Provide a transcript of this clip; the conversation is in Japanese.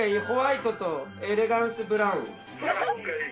ホワイトとエレガンスブラウン。